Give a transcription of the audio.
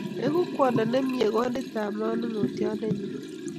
Egu kwondo ne myee konditap manong'otyondennyi.